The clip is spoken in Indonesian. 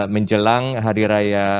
menjelang hari raya